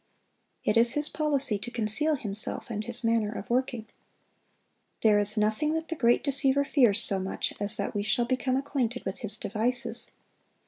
It is his policy to conceal himself and his manner of working. There is nothing that the great deceiver fears so much as that we shall become acquainted with his devices.